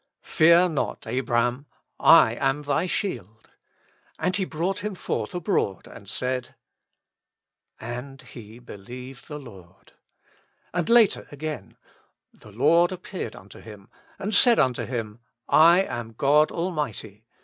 Fear not, Abram; / am thy shield. And He broicght him forth abroad, and said ... And HE BELIEVED THE Lord." And later again: "The Lord appeared unto him, and said unto him, I am God Almighty.